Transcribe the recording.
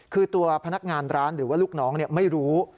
คือตัวพนักงานร้านหรือว่าลูกน้องไม่รู้